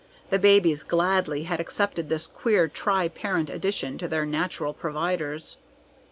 The babies gladly had accepted this queer tri parent addition to their natural providers.